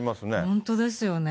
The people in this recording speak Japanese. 本当ですよね。